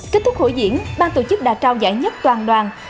kết thúc hội diễn bang tổ chức đã trao giải nhất toàn đoàn